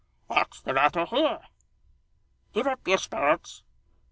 What's the matter here! Keep up your spirits.